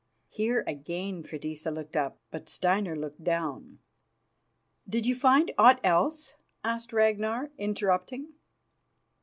Here again Freydisa looked up, but Steinar looked down. "Did you find aught else?" asked Ragnar, interrupting.